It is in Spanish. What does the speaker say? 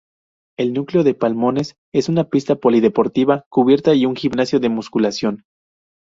El núcleo de Palmones con una pista polideportiva Cubierta y un gimnasio de musculación.